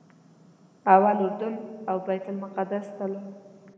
اول اردن او بیت المقدس ته لاړم.